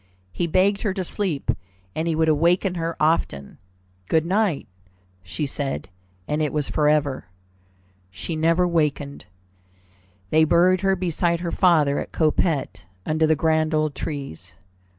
He begged her to sleep and he would awaken her often. "Good night," she said, and it was forever. She never wakened. They buried her beside her father at Coppet, under the grand old trees.